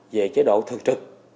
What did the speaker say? về chế độ thực trực